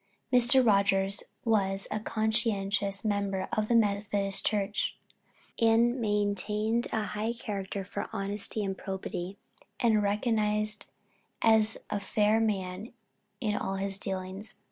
Mr. Rogers was a conscientious member of the Methodist Church, and maintained a high character for honesty and probity, and recognized as a fair man in all his dealings.